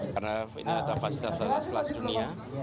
karena ini adalah fasilitas fasilitas kelas dunia